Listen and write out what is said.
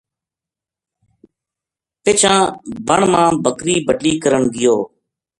پِچھاں بن ما بکری بَٹلی کرن گیو